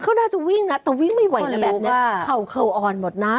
เขาน่าจะวิ่งนะแต่วิ่งไม่ไหวแล้วแบบนี้เข่าอ่อนหมดนะ